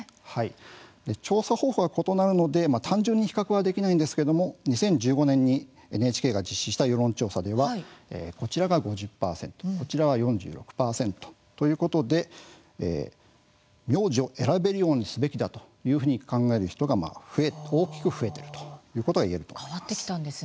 調査方法が異なるので単純に比較はできないんですが２０１５年にＮＨＫで実施した世論調査ではこちらが５０％こちらは４６％ということで名字を選べるようにすべきだと考える人が大きく増えているということが言えると思います。